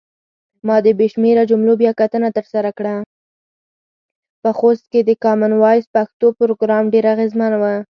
په خوست کې د کامن وایس پښتو پروګرام ډیر اغیزمن و.